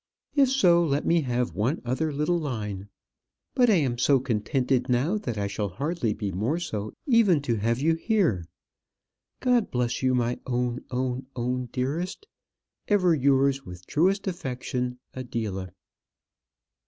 If so, let me have one other little line. But I am so contented now, that I shall hardly be more so even to have you here. God bless you, my own, own, own dearest. Ever yours with truest affection, ADELA.